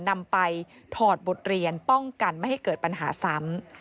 นำไปถอดบทเรียนป้องกันไม่ให้เกิดปัญหาซ้ำ